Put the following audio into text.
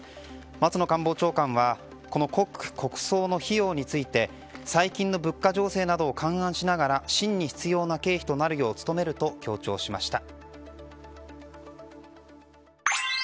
松野官房長官はこの国葬の費用について最近の物価情勢などを勘案しながら真に必要な経費となるよう努めると強調しました。